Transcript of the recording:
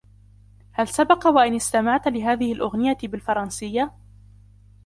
هل سبق و أن استمعت لهذه الأغنية بالفرنسية ؟